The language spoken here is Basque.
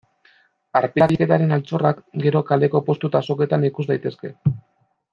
Arpilaketaren altxorrak, gero, kaleko postu eta azoketan ikus daitezke.